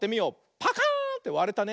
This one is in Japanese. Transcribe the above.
パカーンってわれたね。